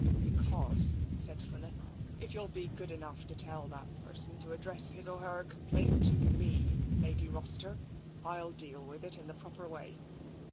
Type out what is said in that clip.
" Because," said Fuller, " if you'll be good enough to tell that person to address his or her complaint to me, Lady Rossiter, I will deal with it in the proper way.